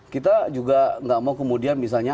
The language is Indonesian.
kita juga nggak mau kemudian misalnya